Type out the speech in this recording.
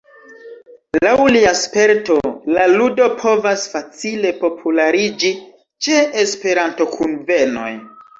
Laŭ lia sperto la ludo povas facile populariĝi ĉe Esperanto-kunvenoj.